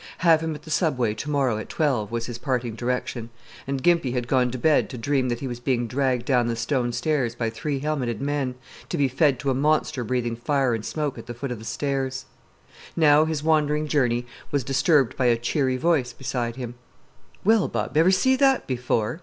"Have him at the Subway to morrow at twelve," was his parting direction; and Gimpy had gone to bed to dream that he was being dragged down the stone stairs by three helmeted men, to be fed to a monster breathing fire and smoke at the foot of the stairs. Now his wondering journey was disturbed by a cheery voice beside him. "Well, bub, ever see that before?"